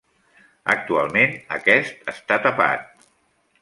Actualment aquest està tapat.